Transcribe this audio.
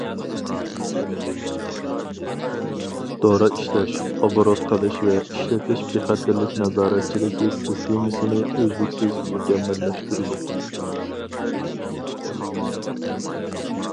دورا ئىشلەش، ئوبوروت قىلىش ۋە ئىشلىتىش بىخەتەرلىك نازارەتچىلىكى سىستېمىسىنى ئۈزلۈكسىز مۇكەممەللەشتۈردۇق.